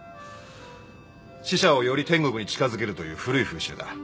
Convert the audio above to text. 死者をより天国に近づけるという古い風習だ。